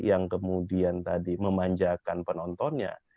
yang kemudian memanjakan penontonnya